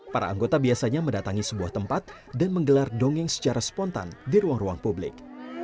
para anggota biasanya mendatangi sebuah tempat dan menggelar dongeng secara spontan di ruang ruang publik